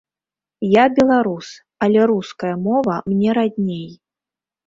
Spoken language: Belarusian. Я беларус, але руская мова мне радней.